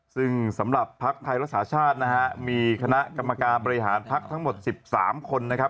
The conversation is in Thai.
ซึ่งสำหรับภักดิ์ไทยรักษาชาตินะฮะมีคณะกรรมการบริหารพักทั้งหมด๑๓คนนะครับ